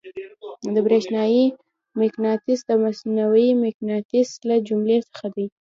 برېښنايي مقناطیس د مصنوعي مقناطیس له جملې څخه دی.